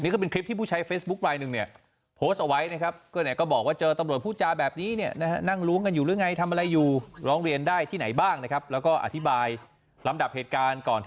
ก็อันนี้ฟัยได่แหละค่ะแล้วก็ทำกรรมกดอยู่ทำลดยังไม่เห็น